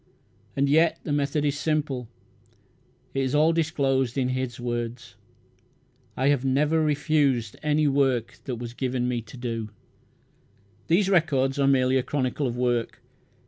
And yet the method is simple. It is all disclosed in his words, "I have never refused any work that was given me to do." These records are merely a chronicle of work.